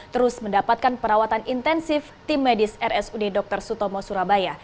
terus mendapatkan perawatan intensif tim medis rsud dr sutomo surabaya